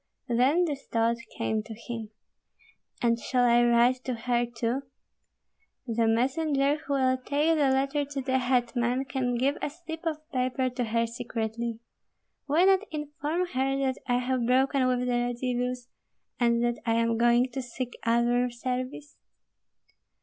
Then this thought came to him: "And shall I write to her too? The messenger who will take the letter to the hetman can give a slip of paper to her secretly. Why not inform her that I have broken with the Radzivills, and that I am going to seek other service?"